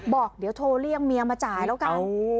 บอกเดี๋ยวโทรเรียกเมียมาจ่ายแล้วกัน